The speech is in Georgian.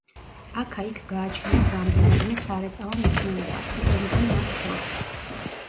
აქა-იქ გააჩნიათ რამდენადმე სარეწაო მნიშვნელობა, იყენებენ მათ ხორცს.